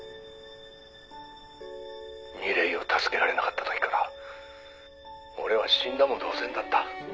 「楡井を助けられなかった時から俺は死んだも同然だった」